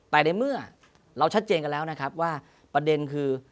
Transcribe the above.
แต่ในเมื่อเราชัดเจนกันแล้วนะครับว่าประเด็นคือ